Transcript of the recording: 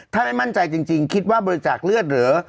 ถ้าไม่มั่นใจจริงคิดว่าบริจาคเลือดเหรอ